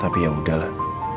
tapi ya udahlah